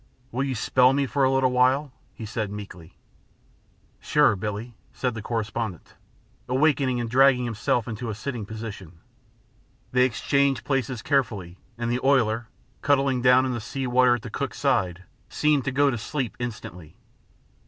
"Will you spell me for a little while?" he said, meekly. "Sure, Billie," said the correspondent, awakening and dragging himself to a sitting position. They exchanged places carefully, and the oiler, cuddling down in the sea water at the cook's side, seemed to go to sleep instantly.